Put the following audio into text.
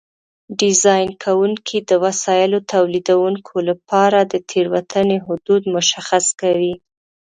ډیزاین کوونکي د وسایلو تولیدوونکو لپاره د تېروتنې حدود مشخص کوي.